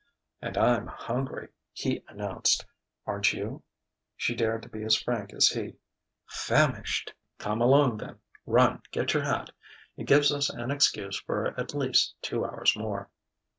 "And I'm hungry," he announced. "Aren't you?" She dared to be as frank as he: "Famished!" "Come along, then! Run, get your hat. It gives us an excuse for at least two hours more...."